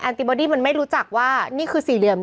ติบอดี้มันไม่รู้จักว่านี่คือสี่เหลี่ยม